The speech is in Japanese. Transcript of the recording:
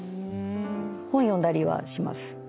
本読んだりはします。